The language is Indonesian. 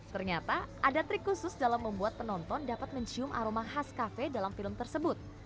ternyata ada trik khusus dalam membuat penonton dapat mencium aroma khas kafe dalam film tersebut